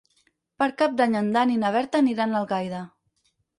Per Cap d'Any en Dan i na Berta aniran a Algaida.